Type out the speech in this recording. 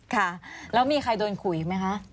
ค่ะแล้วมีใครโดนข่มข่มข่าวอีกไหมคะ